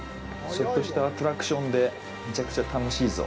ちょっとしたアトラクションで、めちゃくちゃ楽しいぞ。